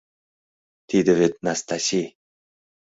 Тиде вет Настаси.